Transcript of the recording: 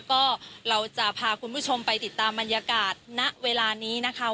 ก็เราจะพาคุณผู้ชมไปติดตามบรรยากาศณเวลานี้นะคะ